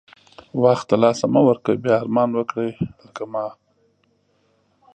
وخت د لاسه مه ورکوی بیا ارمان وکړی لکه زما